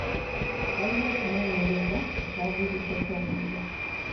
Waliwo okunoonyereza ku kyaviiriddeko omuliro.